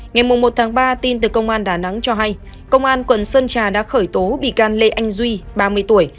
ngày một ba tin từ công an đà nẵng cho hay công an quận sơn trà đã khởi tố bị can lê anh duy ba mươi tuổi